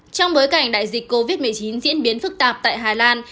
trong bối cảnh đại dịch covid một mươi chín diễn biến phức tạp tại hà lan